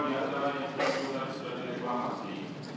jadi pertanyaan apa di atas tanah yang sudah terbuka ini